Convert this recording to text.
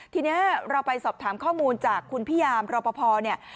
ทีนี้เราไปสอบถามข้อมูลจากคุณพี่ยามรอปภเนี่ย